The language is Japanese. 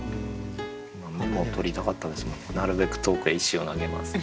今メモを取りたかったですもんなるべく遠くへ石を投げますって。